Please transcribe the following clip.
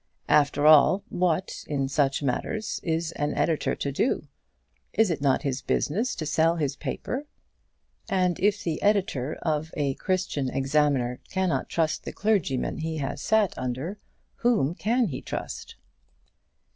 After all, what, in such matters, is an editor to do? Is it not his business to sell his paper? And if the editor of a Christian Examiner cannot trust the clergyman he has sat under, whom can he trust?